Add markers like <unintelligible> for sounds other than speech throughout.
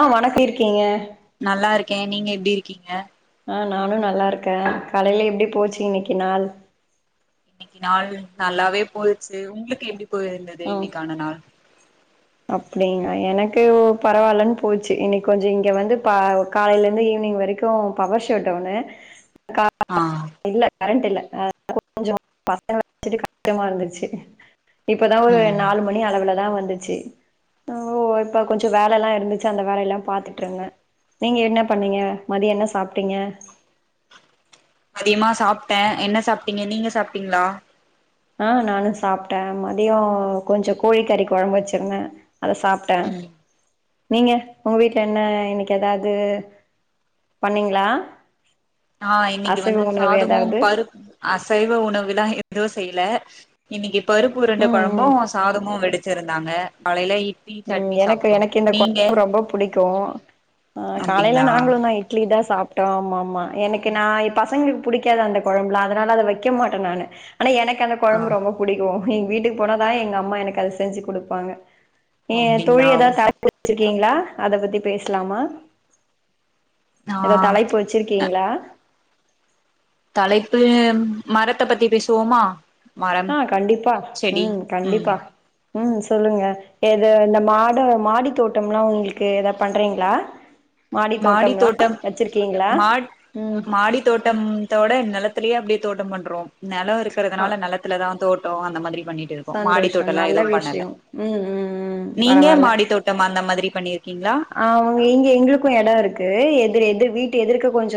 ஆ வணக்க இருக்கிங்க நல்லா இருக்கே நீங்க எப்டி இருக்கிங்க ஆ நானு நல்லாருக்க காலைல எப்டி போச்சி இன்னிக்கு நாள் இன்னிக்கு நாள் நல்லாவே போச்சு உங்ளுக்கு எப்டி போயிருந்தது ம் இன்னைக்கான நாள் அ எனக்கு பரவால்லன் போச்சி இன்னிக் கொஞ்சோ இங்க வந்து பா காலைலிருந்து ஈவினிங் வரைக்கு பவர் ஷட் டவுனு கா ஆ இல்ல கரண்ட் இல்ல அது கொஞ்சோ பசங்கள வெச்சிட்டு கஷ்டமா இருந்துச்சி இப்பதா ஒரு ம் நாலு மணி அளவுலதா வந் ச்சு ஓ இப்ப கொஞ்ச வேலலா இருந்துச்சு அந்த வேலைல்லா பாத்துட்ருந்த நீங்க என்ன பண்ணிங்க மதிய என்ன சாப்ட்டிங்க யமா சாப்ட்டே என்ன சாப்ட்டிங்க நீங்க சாப்ட்டிங்ளா ஆ நானு சாப்ட்ட மதிய கொஞ்ச கோழிக்கறி கொழம்பு வெச்சிருந்த அத சாப்ட்ட ம் நீங்க உங்க வீட்ல என்ன இன்னைக் எதாது பண்ணிங்ளா நா இன்னைக்கு வந்து சாதமும் பரு அசைவ உணவுலாம் எதுவும் செய்ல இன்னிக்கு பருப்புரண்ட ம் ம் கொழம்பும் சாதமும் வடி சிருந்தாங்க காலையில இட் உம் எனக்கு எனக்கு இந்த கொழம்பு ரொம்ப புடிக்கும் ஆஹ் காலையில அப்டிங்களா நாங்களு தான் இட்லி தான் சாப் டோம் ஆமா ஆமா எனக்கு நாய் பசங்க புடிக்காத அந்த கொழம்புலான் அதனால அத வக்க மாட்டேன் நானு ஆனா எனக்கு அந்த ஆ கொழம்பு ரொம்ப புடிக்கும் எங்க வீட்டுக்கு போனாதான் எங்க அம்மா எனக்கு அது செஞ்சு குடுப்பாங்க ஏ தோழி அப்டிங்களா எதாவ <inaudible> இல்லிங்களா அத பத்தி பேசலாமா ஆ ஏதோ தலைப்பு வச்சிருக்கீங்களா தலைப்பு மரத்த பத்தி பேசுவோமா மரம் ஆஹ் கண்டிப்பா செடி உம் ம் கண்டிப்பா ம் சொல்லுங்க எது இந்த மாட மாடி தோட்டம்லாம் உங்களுக்கு எதா பண்றீங்களா மாடி தோட்டம்லா தோட்டம் வச்சிருக்கீங்களா மா ம் மாடி தோட்டம்த்தோட நில த்திலயே அப்டி தோட்டம் பண்றோம் நெலம் இருக்கிறதுனால நெலத்துலதான் தோட் டம் அந்த மாதிரி பண்ணிட்டு இருக்கோம் மாடி சந்தோஷோ தோட்டலாம் நல்ல எதுவும் பண்ணல விஷயோ ம் ம் ம் நீங்க மாடி தோட்டம் அந்த மாதிரி பண்ணி அவுங்க எங்க எங்களுக்கு கும் எடம் இருக்கு எதிர் எதிர் வீட்டு எதிர்க கொஞ்ச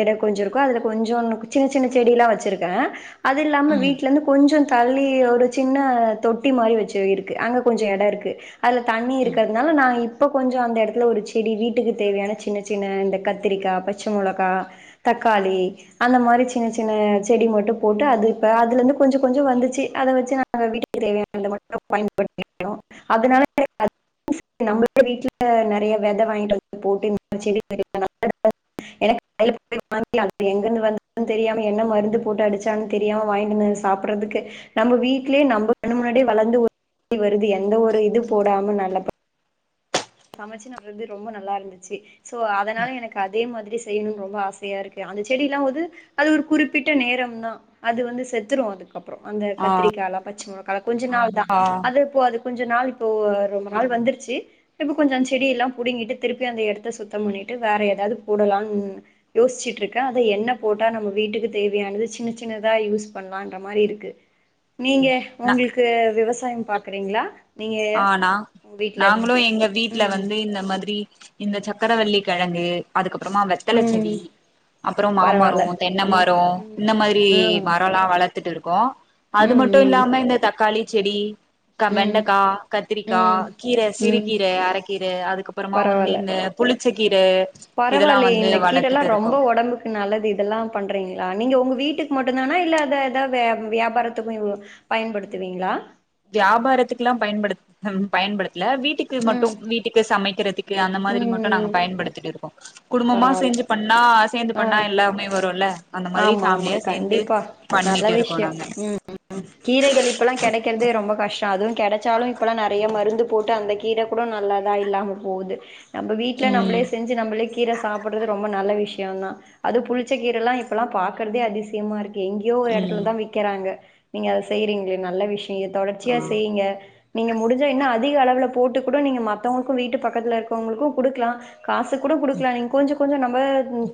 எடம் கொஞ்ச இருக்கு அதுல கொஞ்ச சின்ன சின்ன செடிலான் வச்சிருக்கேன் அது இல்லாம ம் வீட்ல இருந்து கொஞ்ச தள்ளி ஒரு சின்ன தொட்டி மாரி வச்சு இருக்கு அங்க கொஞ்ச எடம் இருக்கு அதுல தண்ணி ம் இருக்கிறதுனால நான் இப் இப்ப கொஞ்ச அந்த இடத்துல ஒரு செடி வீட்டுக்கு தேவையான சின்ன சின்ன இந்த கத்திரிக்கா பச்ச மொளகா தக்காளி அந்த மாரி சின்ன சின்ன செடி மட்டு போட்டு அது இப்ப அதுல இருந்து கொஞ்ச கொஞ்ச வந்துச்சு அத வச்சு நாங்க வீட்டுக்கு தேவயானது மட்டும் பயன்படுத்திக்குவோம் அதனால <inaudible> நம்பலு வீட்டுல நிறைய விதை வாங்கிட்டு வந்து போட்டு இந்த செடி தெரிய எனக்கு போய் வாங்க அது எங்கிருந்து வந்து தெரியாம என்ன மருந்து போட்டு அடிச்சான்னு தெரியாம வாங்கிட்டு சாப்பிடுறதுக்கு நம்ம வீடலயே நம்மகண்ணு முன்னாடியே வளர்ந்து வருது எந்த ஒரு இது போடாம நல்ல சமைச்சு ந வறது ரொம்ப நல்லா இருந்துச்சு சோ அதனால எனக்கு அதே மாதிரி செய்யணும்னு ரொம்ப ஆசையா இருக்கு அந்த செடி எல்லாம் வது அது ஒரு குறிப்பிட்ட நேரம் தான் அது வந்து செத்துரும் அதுக்கு அப்புறம் அந்த ஆ கத்திரிக்காலா பச்ச கொஞ்ச நாள் தான் ஆ அது இப்போ அதுக்கு கொஞ்ச நாள் இப்போ ரொம்ப நாள் வந்துருச்சு இப்ப கொஞ்ச அந்த செடியல்லாம் புடுங்கிட்டு திருப்பி அந்த இடத்த சுத்தம் பண்ணிட்டு வேற ஏதாவது போடலாம்ன் யோசிச்சுட்டு இருக்கேன் அதை எண்ண போட்டா நம்ம வீட்டுக்கு தேவையானது சின்ன சின்னதா யூஸ் பண்ணலான்ற மாதிரி இருக்கு நீங்க உங்களுக்கு விவசாய- <unintelligible> டைம் பாக்குறீங்களா நீங்க ஆனா உங்க வீட்ல இருக்க நாங்களும் எங்க வீட்டு்ல ம் வந்து இந்த மாதிரி இந்த சக்கரவள்ளி கிழங்கு அதுக்கப்ப பறமா வெத்தல செடி ம் அப்பறம் பரவால்ல மாமரம் தென்னை ம் மரம் ம் இந்த மாதிரி ம் மரம்லாம் வளர் த்துட்டு இருக்கோம் அது மட்டும் ம் இல்லாம இந்த தக்காளி செடி கா ம் ம் வேண்டக் கா கத்திரிக்கா ம் கீர ம் சிறுகீர அரைக்கீர அதுக்கப்பறமா வந்து இந்த புளிச் ச கிர பரவாயில்யே இந்த கீர எல்லா இருக்கோ ரொம்ப உடம்புக்கு நல்லது இதெல்லாம் பண்றீங்களா நீங்க உங்க வீட்டுக்கு மட்டும்தானா இல்ல அத ஏதாவ வியாபாரத்துக்கு பயன்படுத்துவீங்களா வியாபாரத்துக்குெல்லா பயன்படுத்த பயன்படுத்த இல்ல வீட்டுக்கு ம் மட்டும் வீட்டுக்கு சமைக்கிறதுக்கு அந்த மாதிரி ம் ம் மட்டும் நாங்க ம் பயன்படுத்திட்டு இரு குடும்பமா பரவால்ல செஞ்சு பண்ணா சேர்ந்து பண்ணா ஆ எல்லாமே தொல்ல ஆமா ஆமா கண்டிப்பா நல்ல பண்ணிட்டு இருக்கோ விஷயம் நாங்க உம் கீரைகள் இப்ப எல்லாம் கிடைக்கறதே ரொம்ப அதுவும் கிடைச்சாலும் இப்பல்லாம் நிறைய மருந்து போட்டு அந்த கீர கூட நல்லாதா இல்லாம போகுது நம்ம வீட்ல்ல ம் நம்மளே செஞ்ச நம்மள கீர சாப்பிடறது ரொம்ப நல்ல விஷய தா அது புளிச்ச கீர எல்லாம் இப் இப்பல்லாம் பா்கறதே அதிசயமா இருக்கு எங்கேயோ ஒரு இடத்துல ம் தா விக்கிறாங்க நீங்க அத செய்யறீங்களே நல்ல விஷயம் நீங்க தொடர்ச்சியா ஆ செய்யுங்க நீங்க முடிஞ்சா இன்னும் அதிக அளவுல போட்டு கூட நீங்க மத்தவங்களுக்கும் வீட்டு பக்கத்துல இருக்கவங்களுக்கும் கொடுக்கலாம். காசு கூட கொடுக்கலா நீங்க கொஞ்ச கொஞ்ச நம்ம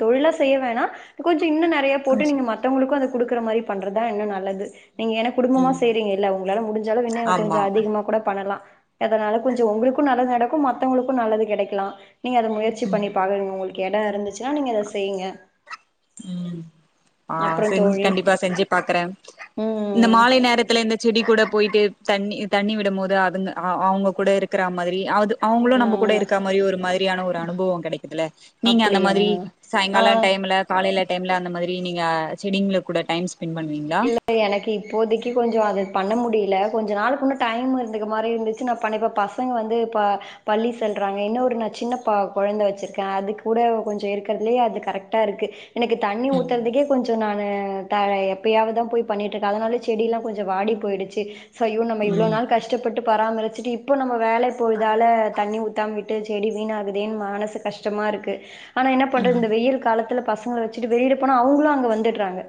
தொழிலா செய்ய வேணாம். கோச் இன்னு நிறைய போட்டு நீங்க மத்தவங்களுக்கும் அத குடுக்குற மாரி பண்றதுதா இன்னும் நல்லது நீங்க ஏன்ன குடும்பமா ம் செய்றீங்க இல்ல உங்களால முடிஞ்சாலு இனும் கொஞ்சம் ஆமா அதிகமாக கூட பண்ணலாம் அதனால கொஞ்சம் உங்களுக்கும் நல்லது நடக்கும் மத்தவங்களுக்கும் நல்லது கிடைக்கலாம். நீங்க அத முற்சி பண்ணி ப பா்கறங்க உங்களுக்கு இடம் இருந்துச்சுன்னா நீங்க அத செய்யுங்க. உம் ஆஹ் அப்புறம் செஞ்சு தோழி கண்டிப்பா செஞ்சு பாக்குறே இந்த ம் மாலை நேரத்துல இருந்து செடி கூட போயிட்டு தண்ணி தண்ணி விடும் போது அதுங்க அவங்க கூட இருக்கிற மாதிரி து அவங்களும் ஆ நம்ம கூட இருக்க மாதிரி ஒரு மாதிரியான ஒரு அனுபவம் கிடைக்குதல நீங்க அந்த அப்படியா மாதிரி சாயங்கால ஆ டைம்ல காலையிலே டைம்ல அந்த மாதிரி நீங்க செடில கூட டைம் ஸ்பெண்ட் பண்ணுவீங்களா இல்ல எனக்கு இப்போதைக்கு கொஞ்ச அது பண்ண முடிய இல்ல கொஞ்சம் நாளுக்குன்னு டைம் இருந்தக்க மாதிரி இருந்துச்சு நா பண்ணிப்ப பசங்க வந்து பள்ளி செல்றாங்க இன்னும் ஒரு நா சின்ன ப குழந்த வச்சிருக்கே அது கூட கொஞ்சம் இருக்கறிறதுலயே அது கரெக்டா இருக்கு எனக்கு தண்ணி ம் ஊத்துறதுக்கே கொஞ்சம் நானு த எப்ப அப்பயாவ தா போய் பண்ணிட்டு இருக்கு அதனால செடியெலா கொச்சம் வாடி போயிடுச்சு. சயோ நம்ம இவளோ ம் நாள் கஷ்ட பட்டு பராமரிச்சுட்டு இப்போ நம்ம வேலை பொழுதால தண்ணி ஊத்தா விட்டு செடி வீணாககுதேன்னு மனசு கஷ்டமா இருக்கு ஆனா என்ன பண்றது இந்த வெயில் காலத்துல பசங்கள வச்சுட்டு வெளியில போனா அவங்களும் அங்க வந்துடுறாங்க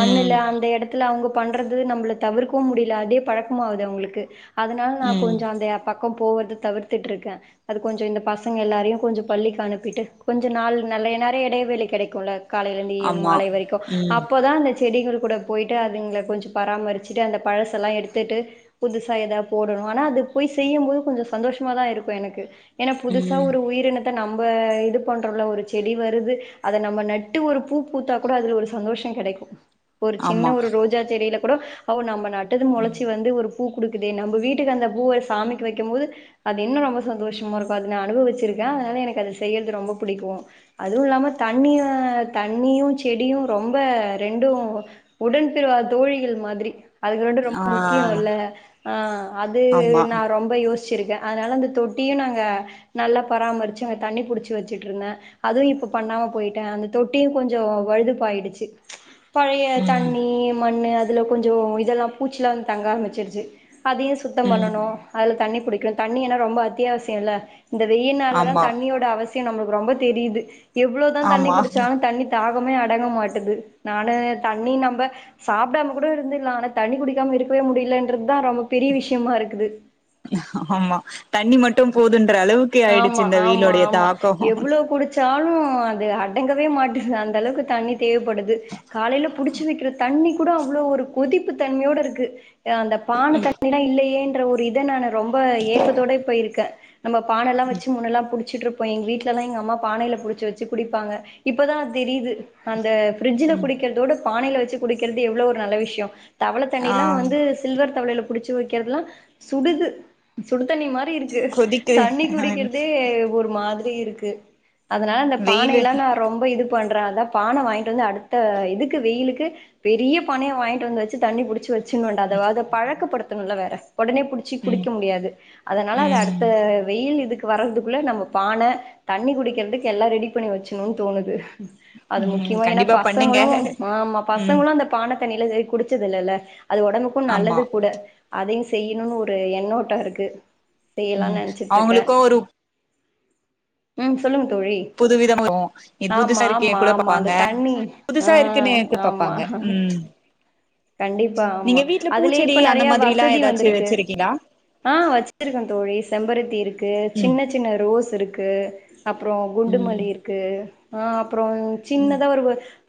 உம் அந்த இடத்துல அவங்க பண்றது நம்மள தவிர்க்கவும் முடியல அதே பழக்கம ஆகுது அவங்களுக்கு அதனால நா ம் கொஞ்சம் அந்த பக்கம் போவறத தவிர்த்துட்டு இருக்கே அது கொஞ்சம் இந்த பசங்க எல்லாரையும் கொஞ்சம் பள்ளிக்கு அனுப்பிட்டு கொஞ்சம் நாள் நல்ல நிரையஇடையவேளி கிடைக்கும்ல காலையில இருந்து ஆமா மாலை வரைக்கும் ம் அப்போ தா இந்த செடிகள் கூட போயிட்டு அதுங்கள கொஞ்சம் பராமரிச்சுட்டு அந்த பழச எல்லா எடுத்துட்டு புதுசா ஏதா போடணும் ஆனா அது போய் செய்யும் போது கொஞ்சம் சந்தோஷமாதா இருக்கும் எனக்கு எனன்னா புதுசா ம் ஒரு உயிரின நம்ம இது பண்றோம்ல ஒரு செடி வருது அத நம்ம நட்டு ஒரு பூ பூத்தா கூட அதுல ஒரு சந்தோஷம் கிடைக்கும் ஒரு சின்ன ஆமா ஒரு ரோஜா செடியில கூட அவ நம்ம நா டத்து முளைச்சி வந்து ஒரு பூ கொடுக்குதே நம்ம வீட்டுக்கு அந்த பூவ சாமிக்கு வைக்கும் போது அது இன்னும் ரொம்ப சந்தோஷமா இருக்கும் அதுன அனுபவிச்சிருக்கே அதனால அது எனக்கு செய்றது ரொம்ப பிடிக்கும் அதுவும் இல்லாம தண்ணி தண்ணியும் செடியும் ரொம்ப ரெண்டும் உடன்பிறவா தோழிகள் மாதிரி அதுக்கு ரண்டும் ரொம்ப ஆ முக்கியம் இல்ல ஆங் அது ஆமா நா ரொம்ப யோசி வச்சிருக்கே அதனால அந்த தொட்டியும் நாங்க நல்லா பராமரிச்சு அங்க தண்ணி புடிச்சு வச்சுட்டு இருந்த அதுவும் இப்ப பண்ணாம போயிட்டே அந்த தொட்டியும் கொஞ்சம் வழுதுப்பாயிடுச்சு பழைய ம் தண்ணி மண்ணு அத் அதுல கொஞ்சோ இதெல்லா பூச்சில்லா வந்து தங்க ஆரம்பிருச்சிருச்சு அதையு சுத்தம் ம் பண்ணணு அதுல தண்ணி புடிக்க இர்க்குல தண்ணி என்னா ரொம்ப அத்தியாவசியொல்ல இந்த வெயின்னால தா ஆமா தண்ணியோட அவஸ் சியொ நம்மளுக்கு ரொம்ப தெரியுது எவ்ளோ தா தண்ணி ஆமா குடிச்சாலு தண்ணி தா இப்பமே அடங்க மாட்டுது நானு தண்ணி மந்த சாப்டாமக் கூட இருந்துகலா ஆனா தண்ணி குடிக்காம இருக்கவே முடியலன்றது தா ரொம்ப பெரிய விஷ்யமா இருக்குது ஆமா தண்ணி மட்டும் போது ந்த அளவுக்கு ஆயிடுச்சு ஆமா இந்த வெயிலோடைய தாக்கோ லு அது அடங்கவே மாட்டிருது அந்த அளவுக்கு தண்ணி தேவப்படுது காலையில புடிச்சு வைக்கிற தண்ணிக்கூட அவ்ளோவு ஒரு கொதிப்பு தன்மையோடருக்கு அ அந்த பான தண்ணில்லா இல்லையே ஒரு ஒரு இத நானு ரொம்ப ஏக்கத்தோட இப்ப இருக்கே நம்ப பானல்லா வெச்சு முன்னெல்லா புடி வெச்சுட்டுருப்போ எங்க வீட்டுலல்லா எங்க அம்மா பானையில புடிச்ச வெச்சு குடிப்பாங்க இப்பதா அத் தெரியுது அந்த ஃப்ரிட்ஜீல்ல ம் குடிக்கிறதோட பானையில வெச்சு குடிக்கிறது எவ்ளோ ஒரு நல்ல விஷ்யோ தவல ஆ தண்ணில்லா வந்து சில்வர் தவலையில்ல புடிச்சு வைக்கிறதெல்லா சுடுது சுடு தண்ணி மார் ரி இருக்கு கொதிக்கு தண்ணி அ குடிக்கிறதே ஒரு மாத் ரி இருக்கு அதனால அந்த வெயிலு பானையெல்லா நான் ரொம்ப இது பண் அப்புறோ அதா பான வாங்ட்டு வந்து அடுத்த இதுக்கு வெயிலுக்கு பெரிய பானையா வாங்கிட்டு வந்து வெச்சு தண்ணி புடிச்சு வெச் சச்சு அதாவது பழக்கப்படுத்துணுல்ல வேற உடனே புடுச்சி ம் குடிக்க முடியாது அதனால அது ம் அடுத்த கையில் இதுக்கு வர்றதுக்குள்ள நம்ப பான தண்ணி குடிக்கிறதுக்கு எல்லா ரெடி பண்ணி வெச்சர்ணு தோணுது அது ம் முக்கியமா ஏன்னா கண்டிப்பா பண்ணுங்க பசங்களு ஆமா ம் பசங்களு அந்த பான தண்ணில்ல எது குடிச்சதல்லல்ல அது உடம்புக்கு ஆமா நல்லது கூட அதையு செய்யணுன் ஒரு எண்ணோட்ட இருக்கு. செய்யலா ம் நெனைச்சிட் அவங்களுக்கு ஒரு உம் சொல்லுங்க தோழி புது விதம இரு இது ஆமா புதுசா இருக்கே ஆமா கூட ஆமா அந்த பாப்பாங்க தண்ணி ஆ புதுசா இருக்குன்னே ஆமா பார்ப்பாங்க உம் கண்டிப்பா ஆமா அதுலயே இப்ப அந்த நிறைய மாதிரிலா வசதி ஏதாச்சு வந்திருக்கு வச்சிருக்கீங்களா ஆஹ் வச்சிருக்கேன் தோழி செம்பருத்தி இருக்கு ம் சின்ன சின்ன ரோஸ் இருக்கு க்கு அப்ரோ ம் குண்டுமல்லி இருக்கு ஆஹ அப்ரோ ம் சின்னதா ஒரு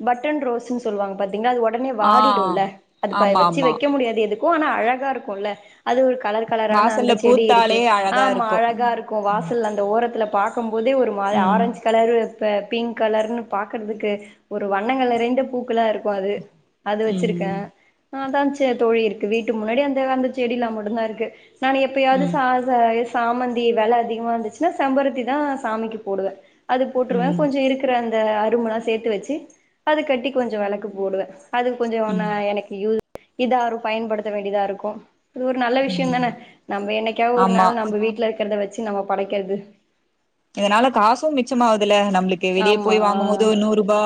பட்டன் ரோஸ்ன்னு சொல்லுவாங்க பத்தி யேனா அது உடனே ஆ வாடிடுல அத ப ஆமா வச்சு ஆமா வைக்க முடியாது இருக்கு ஆனா அழகா இருக்கும்ல்ல அது ஒரு கலர் கலரான அந்த வாசல்ல செடி இருக்கு பூத்தாலே அழகா ஆமா இருக்கு அழகா இருக்கும் ம் வாசல் அந்த ஓரத்துல பாக்கும் இப்போதே ஒரு மாரி ம் ஆரஞ்ச் கலர் இப்ப பிங்க் கலர்ன்னு பாக்கறதுக்கு ஒரு வண்ண கலந்த பூக்கெலா இருக்கு போது அது வச்சிருக்க ம் அதான் தோழி இருக்கு வீட்டு முன்னாடி அந்த அந்த செடி எல்லா மட்டுந்தா இருக்கு. நான் எப்பயாவது ச ம் சாமந்தி வில அதிகமா இருந்துச்சுன்னா செம்பருத்தி தான் சாமிக்கு போடுவ அது போட்டுருவ கொஞ்சோ ம் இருக்குற அ அருமெல்லா சேத்து வச்சு அதத கட்டி கொஞ்சோ வெளக்கு போடுவ. அது கொஞ்சோ ஒன்னா எனக் இதாரு பயன்படுத்த வேண்டியதா இருக்கும் இது ஒரு நல்ல விஷயோ ம் தானே நம்ப என்னைக்கா ஒரு ஆமா நாள் நம்ப வீட்டுல இருக்கிறத வச்சு நம்ம படைக்கிறது இதனால காசும் மிச்சமாவுதுல நம்மளுக்கு வெளியே ஆமா போய் வாங்கும் போது ஒரு நூறு ரூபா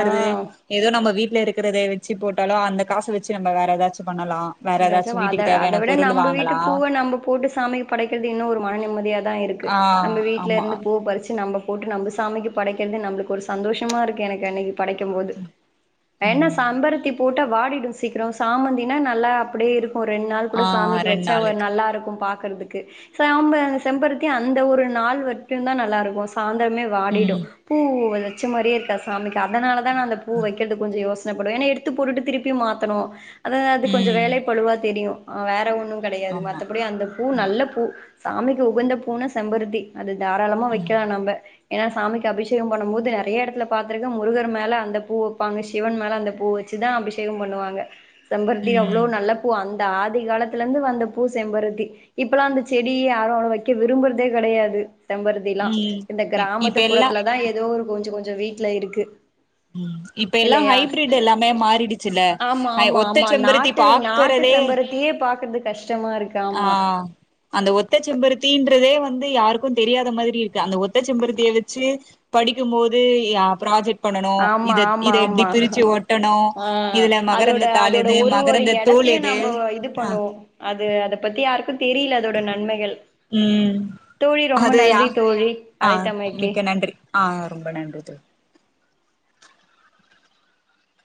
ஆ ஆ ஏதோ நம்ம வீட்டுல இருக்க இருக்கிறத வச்சு போட்டாலு அந்த காசு வச்சு நம்ம வேற ஏதாச்சு பண்ணலா வேற ராஜா ஏதாச்சு வத வீட்டுக்கு அத தேவையான விட பொருள் நம்ப வீட்டு வாங்கலா பூவ நம்ப போட்டு சாக்கு படைக்கறது இன்னு ஒரு மன நிம்மதியா தா இருக்கு ஆ நம்ம வீட்டல ஆமா இருந்து பூ பறிச்சு நம்ப போட்டு நம்ப சாமிக்கு படைக்கிறது நம்மளுக்கு ஒரு சந்தோஷமா இருக்கு எனக்கு அன்னைக்கு படைக்கும்போது என்ன ம் சம்பரத்தி போட்டா வாடிடு சீக்ரம் சாமந்தினா நல்லா அப்டியே இரு க்கு ரெண் நாள் கூட ஆ சாமிக்கு ரெண் வெச்சா நாளுக்கு நல்லாருக்கு பாக் கறதுக்கு சாம்ப செம்பருத்தி அந்த ஒரு நாள் வட்டுந்தா நல்லாருக்கு சாந் தரமே வாடிடு ம் பூ வெச்ச மாரியே இருக்காது சாமிக்கு அதனாலாதா அந்த பூ வெக்கறதுக் கொஞ்சோ யோசி ப்படுவே ஏனா எடுத்து போட்டுட்டு திருப்பியு மாத்தணு அத அது கொஞ்சோ ம் வேலை பா தெரியு அ வேற ஒன் னு கெடையாது ஆமா மத்தபடி அந்த பூ ம் நல்ல பூ சாமிக்கு உகந்த பூனா செம்பருத்தி அது தாராளமா ம் வெக்கலா நம்ப ஏனா சாமிக்கு அபிஷேகம் பண்ணும் போது நெறையா எடத்துல பாத்திருக்க முருகர் மேல அந்த பூ வெப்பாங்க சிவன் மேல அந்த பூ வெச்சுதா அபிஷேகம் பண்ணுவாங்க செம்பருத்தி அவ்ளோ ம் நல்ல அந்த ஆதி காலத்துல இருந்து வந்த பூ செம்பருத்தி இப்பலாம் அந்த செடிய யாரும் அவ்ளவு வைக்க விரும்புறதே கெடையாது செம்பருத்திலாம் ம் இந்த இப்ப கிராமத்து எல்லா புறத்துல தான் ஏதோ ஒரு கொஞ்சோ கொஞ்சோ வீட்டுல இருக்கு ம் இப்ப எல்லா இல்லையா ஹைபிரிட் எல்லாமே மாறிடுச்சுல ஹை ஒத்த செம்பருத்தி பாக்கற ட்டு செம்பருத்தியே பாக்குறது கஷ்டமா இருக்கு ஆ ஆமா இப்பவே வந்து யாருக்கும் தெரியாத மாதிரி இருக்கு அந்த ஒத்த செம்பருத்திய வச்சு படிக்கும் போது யா புராஜெக்ட் ஆமா ஆமா ஆமா ஒட்டணு ஆ இதுல அதோட மகரந்த தாள் அதோட எது ஒரு ஒரு மகரந்த தூள் எடத்தையே எது நாம இது ஆ பண்ணுவோ அது அத பத்தி யாருக்கும் ம் தோழி ரொம்ப அது யா நன்றி தோழி ஆ அழைத்தமைக்கு மிக்க நன்றி ஆ ரொம்ப நன்றி தோழி